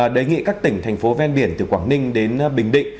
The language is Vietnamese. đề nghị các tỉnh thành phố ven biển từ quảng ninh đến bình định